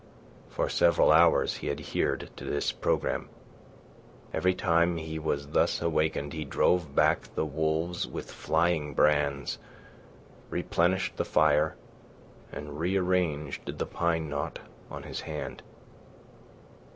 For several hours he adhered to this programme. Every time he was thus awakened he drove back the wolves with flying brands, replenished the fire, and rearranged the pine knot on his hand.